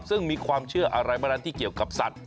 ซึ่งมีความเชื่ออะไรบ้างนั้นที่เกี่ยวกับสัตว